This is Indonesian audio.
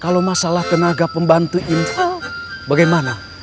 kalau masalah tenaga pembantu inval bagaimana